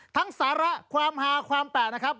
สาระความหาความแปลกนะครับ